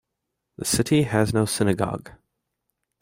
The city has no synagogue.